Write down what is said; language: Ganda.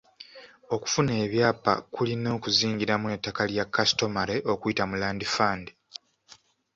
Okufuna ebyapa kulina okuzingiramu n’ettaka lya customary okuyita mu land fund.